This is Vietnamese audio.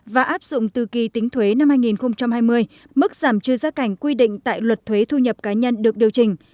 và áp dụng từ kỳ tính thuế năm hai nghìn hai mươi mức giảm trừ giá cảnh quy định tại luật thuế thu nhập cá nhân được điều chỉnh